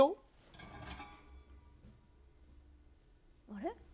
あれ？